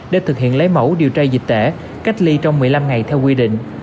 để thực hiện lấy mẫu điều tra dịch tễ cách ly trong một mươi năm ngày theo quy định